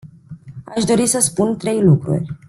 Aș dori să spun trei lucruri.